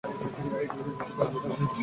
এই চুক্তিটা করতে হলে সব ঘর বেঁচতে হবে।